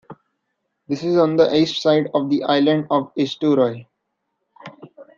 This is on the east-side of the island of Eysturoy.